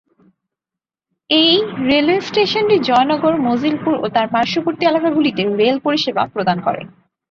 এই রেলওয়ে স্টেশনটি জয়নগর মজিলপুর ও তার পার্শ্ববর্তী এলাকাগুলিতে রেল পরিষেবা প্রদান করে।